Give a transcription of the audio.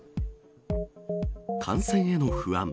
感染への不安。